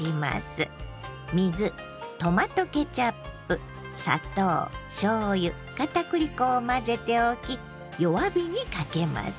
水トマトケチャップ砂糖しょうゆ片栗粉を混ぜておき弱火にかけます。